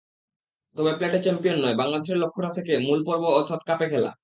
তবে প্লেটে চ্যাম্পিয়ন নয়, বাংলাদেশের লক্ষ্যটা থাকে মূল পর্ব অর্থাৎ কাপে খেলা।